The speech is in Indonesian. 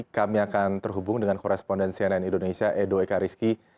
kami akan terhubung dengan korespondensi ann indonesia edo ekariski